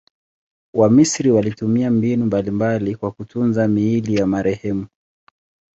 Wamisri walitumia mbinu mbalimbali kwa kutunza miili ya marehemu.